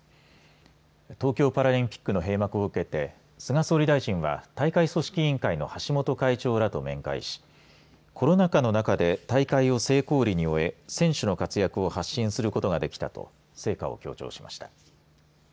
東京パラリンピックの閉幕を受けて菅総理大臣は大会組織委員会の橋本会長らと面会しコロナ禍の中で大会を成功裏に終え選手の活躍を発信することができたと成果を強調しました。